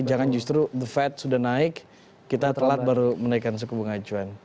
jangan justru the fed sudah naik kita telat baru menaikkan suku bunga acuan